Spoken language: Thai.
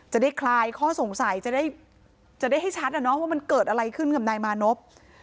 จะได้คลายข้อสงสัยจะได้จะได้ให้ชัดอ่ะเนอะว่ามันเกิดอะไรขึ้นกับนายมานบ